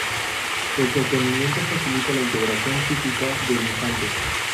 El sostenimiento facilita la integración psíquica del infante.